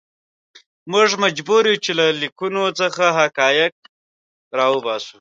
موږ مجبور یو چې له لیکنو څخه حقایق راوباسو.